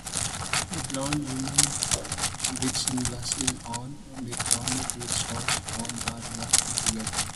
A blond woman with sunglasses on and a brunette with shorts on are walking together.